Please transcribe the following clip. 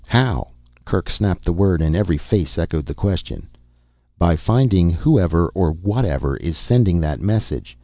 "How?" Kerk snapped the word and every face echoed the question. "By finding whoever or whatever is sending that message.